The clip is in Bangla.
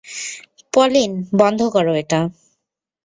পলিন, বন্ধ করো এটা।